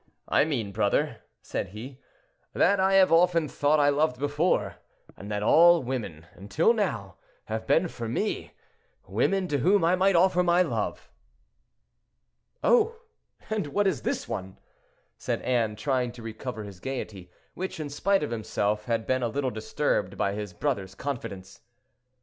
"I mean, brother," said he, "that I have often thought I loved before, and that all women, until now, have been for me—women to whom I might offer my love." "Oh! and what is this one?" said Anne, trying to recover his gayety, which, in spite of himself, had been a little disturbed by his brother's confidence.